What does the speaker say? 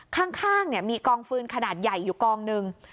ข้างมีกองฟืนขนาดใหญ่อยู่กองหนึ่ง